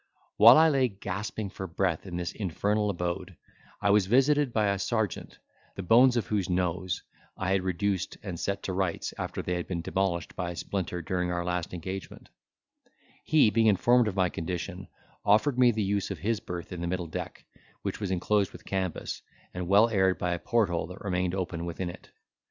While I lay gasping for breath in this infernal abode, I was visited by a sergeant, the bones of whose nose I had reduced and set to rights, after they had been demolished by a splinter during our last engagement; he, being informed of my condition, offered me the use of his berth in the middle deck, which was enclosed with canvas, and well aired by a port hole that remained open within it.